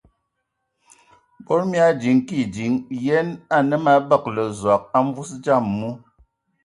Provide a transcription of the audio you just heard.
Mbol mii andzi kig din yen anǝ mə abǝgǝlǝ Zɔg a mvus dzam mu.